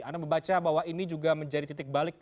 anda membaca bahwa ini juga menjadi titik balik